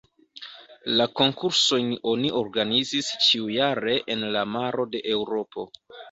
La konkursojn oni organizas ĉiujare en la maro de Eŭropo.